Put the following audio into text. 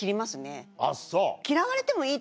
あっそう。